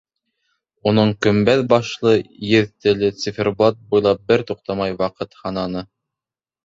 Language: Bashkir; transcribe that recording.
Уның көмбәҙ башлы еҙ теле циферблат буйлап бер туҡтамай ваҡыт һананы.